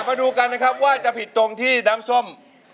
มาดูกันนะครับว่าจะผิดตรงที่น้ำส้ม